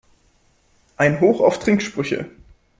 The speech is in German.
Ein Hoch auf Trinksprüche!